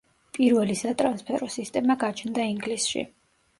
პირველი სატრანსფერო სისტემა გაჩნდა ინგლისში.